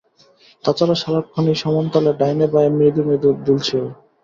তাছাড়া সারাক্ষণই সমান তালে ডাইনে-বায়ে মৃদু মৃদু দুলছে ও।